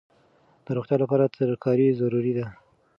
د روغتیا لپاره ترکاري ضروري ده.